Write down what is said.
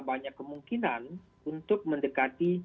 banyak kemungkinan untuk mendekati